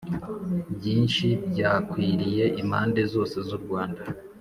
byinshi byakwiriye impande zose z'u rwanda